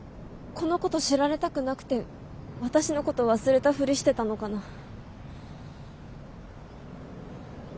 このこと知られたくなくて私のこと忘れたフリしてたのかな。